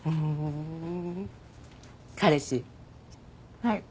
はい。